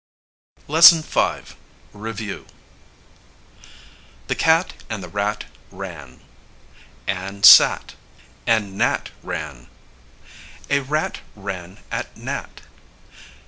LESSON V. REVIEW. The cat and the rat ran. Ann sat, and Nat ran. A rat ran at Nat.